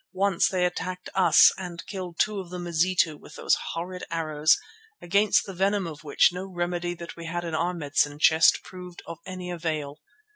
Once they attacked us and killed two of the Mazitu with those horrid arrows, against the venom of which no remedy that we had in our medicine chest proved of any avail.